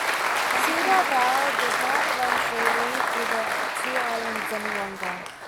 Cedar Bayou does not run freely through the two islands any longer.